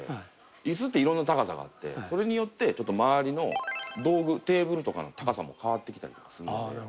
イスって色んな高さがあってそれによって周りの道具テーブルとかの高さも変わってきたりとかするので。